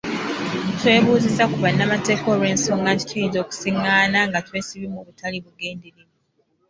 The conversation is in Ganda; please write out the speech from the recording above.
Twebuuzizza ku bannamateeka olw’ensonga nti tuyinza okwesiŋŋaana nga twesibye mu butali bugenderevu.